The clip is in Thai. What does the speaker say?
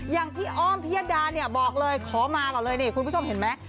อย่างพี่อ้อมพิยดาเนี่ยบอกเลยขอมาก่อนเลยนี่คุณผู้ชมเห็นไหม